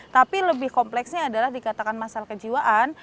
tapi lebih kompleksnya adalah dikatakan masalah kejiwaan